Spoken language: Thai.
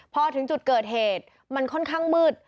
พอถึงจุดเกิดเหตุมันค่อนข้างมืด